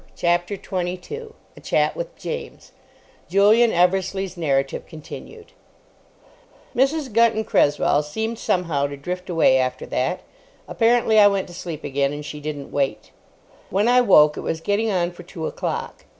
CHAPTER 22 A CHAT WITH JAMES (Julian Eversleigh's narrative continued) Mrs. Gunton Cresswell seemed somehow to drift away after that. Apparently I went to sleep again, and she didn't wait. When I woke, it was getting on for two o'clock.